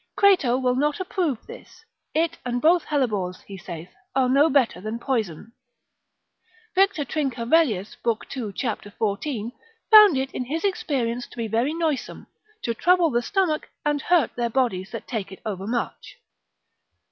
Crato will not approve this; it and both hellebores, he saith, are no better than poison. Victor Trincavelius, lib. 2. cap. 14, found it in his experience, to be very noisome, to trouble the stomach, and hurt their bodies that take it overmuch.